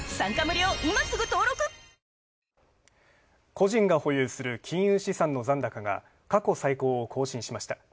個人が保有する金融資産の残高が過去最高を更新しました。